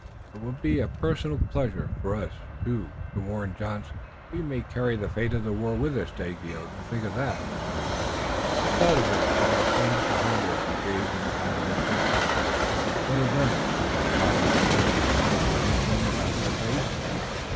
It will be a personal pleasure for us two to warn Johnson." "We may carry the fate of a war with us, Dagaeoga. Think of that!" "I've thought of it. But our friends behind us, engaged in the battle with St. Luc! What of them? Does Tododaho whisper to you anything about their fate?"